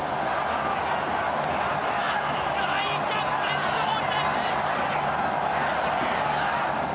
大逆転勝利です。